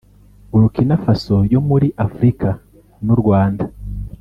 Burukinafaso yo muri Afurika n’u Rwanda